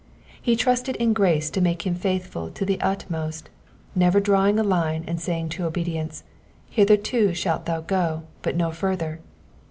*He trusted in grace to make him faithful to the utmost, never drawing a line and saying to obedience, *' Hitherto shalt thou go, but no further.'